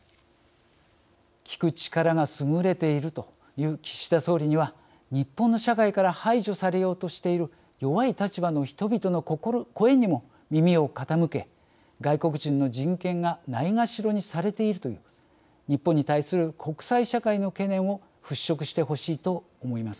聞く力が優れているという岸田総理には日本の社会から排除されようとしている弱い立場の人々の声にも耳を傾け外国人の人権がないがしろにされているという日本に対する国際社会の懸念を払しょくしてほしいと思います。